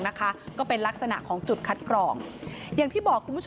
นะคะก็เป็นลักษณะของจุดคัดกรองอย่างที่บอกคุณผู้ชม